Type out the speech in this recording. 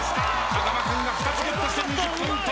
風間君が２つゲットして２０ポイント。